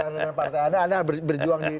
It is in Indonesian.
anda dengan partai anda anda berjuang